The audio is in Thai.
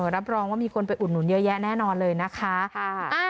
รับรองว่ามีคนไปอุดหนุนเยอะแยะแน่นอนเลยนะคะ